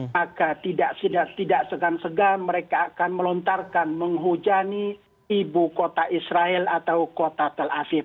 maka tidak segan segan mereka akan melontarkan menghujani ibu kota israel atau kota tel aviv